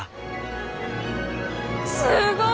すごい！